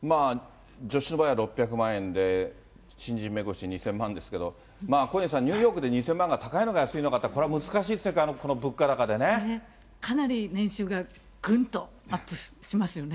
助手の場合は６００万円で、新人弁護士は２０００万ですけど、小西さん、ニューヨークで２０００万が高いのか安いのかっていうのは、これかなり年収がぐんとアップしますよね。